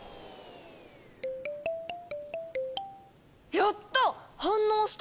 やった！